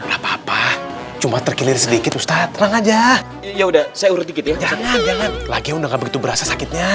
berapa berapa cuma terkeliru sedikit ustadz aja ya udah saya udah begitu berasa sakitnya